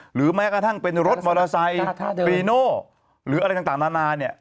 หรือแม้กระทั่งเป็นรถมอเตอร์ไซค์ฟรีโน่หรืออะไรต่างนานาเนี่ย